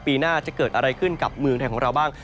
ปีหน้าจะเกิดอะไรขึ้นกับเมืองไทยของเราบ้าง